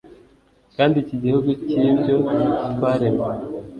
kandi iki gihugu cyibyo twaremye